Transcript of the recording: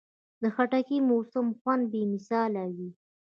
د خټکي موسمي خوند بې مثاله وي.